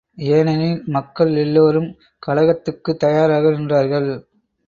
ஏனெனில் மக்கள் எல்லோரும் கலகத்துக்குத் தயாராக நின்றார்கள்.